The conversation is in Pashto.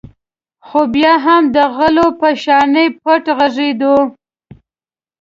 خو بیا هم د غلو په شانې پټ غږېدو.